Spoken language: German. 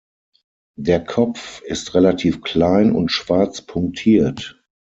Der Kopf ist relativ klein und schwarz punktiert.